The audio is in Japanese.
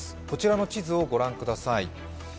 こちらの地図をご覧ください。